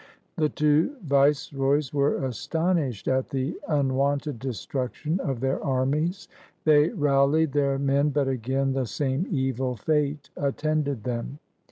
The two viceroys were astonished at the un wonted destruction of their armies. They rallied their men, but again the same evil fate attended them.